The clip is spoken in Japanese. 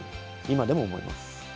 今でも思います。